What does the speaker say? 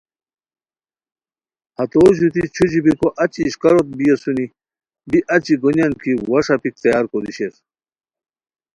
ہتو ژوتی چھوچھی بیکو اچی اݰکاروتین بی اسونی بی اچی گونیان کی وا ݰاپیک تیار کوری شیر